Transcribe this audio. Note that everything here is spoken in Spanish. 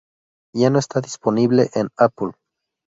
Ya no está disponible en Apple.